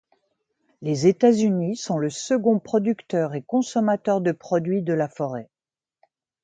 Les États-Unis sont le second producteur et consommateur de produits de la forêt.